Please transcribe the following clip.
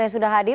yang sudah hadir